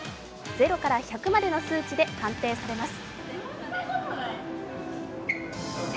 ０から１００までの数値で判定されます。